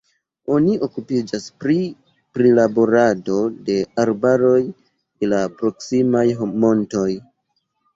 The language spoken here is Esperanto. Oni okupiĝas pri prilaborado de arbaroj de la proksimaj montoj.